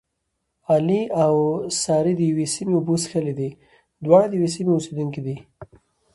علي او سارې دیوې سیمې اوبه څښلې دي. دواړه د یوې سیمې اوسېدونکي دي.